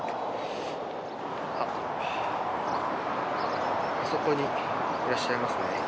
あそこにいらっしゃいますね。